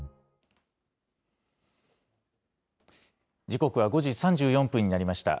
時刻は５時３４分になりました。